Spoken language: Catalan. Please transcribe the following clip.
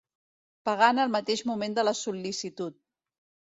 Pagar en el mateix moment de la sol·licitud.